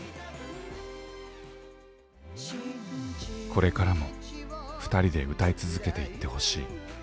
「これからもふたりで歌い続けていってほしい」。